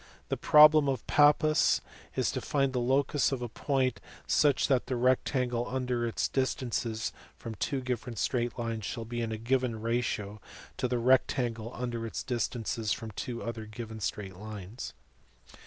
The problem of Pappus is to find the locus of a point such that the rectangle under its distances from two given straight lines shall be in a given ratio to the rectangle under its distances from two other given straight lines.